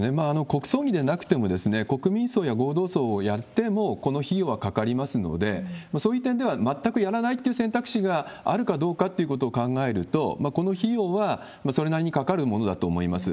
国葬儀でなくても、国民葬や合同葬をやっても、この費用はかかりますので、そういう点では、まったくやらないって選択肢があるかどうかっていうことを考えると、この費用はそれなりにかかるものだと思います。